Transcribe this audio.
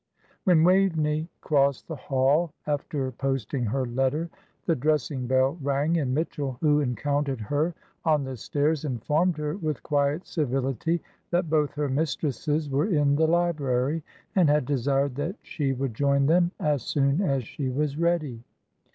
When Waveney crossed the hall after posting her letter, the dressing bell rang, and Mitchell, who encountered her on the stairs, informed her with quiet civility that both her mistresses were in the library, and had desired that she would join them as soon as she was ready.